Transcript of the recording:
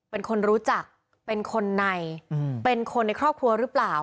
เป็นคนรู้จักเป็นคนในเป็นคนในครอบครัวหรือเปล่า